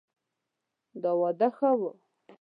دا واده ښه ؤ